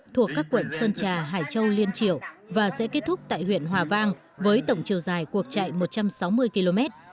thuộc các quận sơn trà hải châu liên triệu và sẽ kết thúc tại huyện hòa vang với tổng chiều dài cuộc chạy một trăm sáu mươi km